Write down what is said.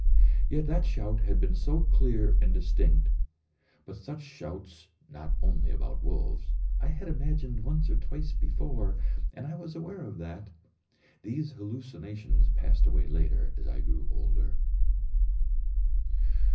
Yet that shout had been so clear and distinct, but such shouts (not only about wolves) I had imagined once or twice before, and I was aware of that. (These hallucinations passed away later as I grew older.)